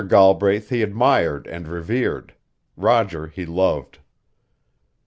Galbraith he admired and revered; Roger he loved.